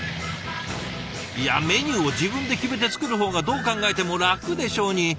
いやメニューを自分で決めて作る方がどう考えても楽でしょうに。